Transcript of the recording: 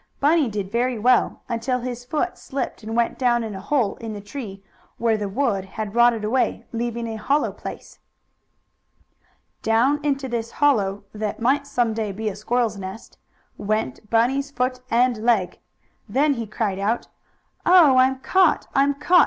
Bunny did very well until his foot slipped and went down in a hole in the tree, where the wood had rotted away, leaving a hollow place. Down into this hollow, that might some day be a squirrel's nest, went Bunny's foot and leg. Then he cried out: "Oh, I'm caught! I'm caught!